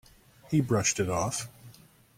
He brushed it off.